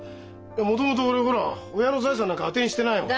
もともと俺ほら親の財産なんか当てにしてないもん。